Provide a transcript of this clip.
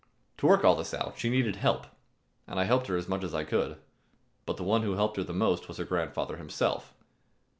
To work this all out she needed help, and I helped her as much as I could. But the one who helped her most was her grandfather himself.